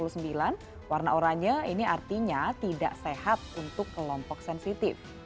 dua lima sebesar empat puluh sembilan warna oranye ini artinya tidak sehat untuk kelompok sensitif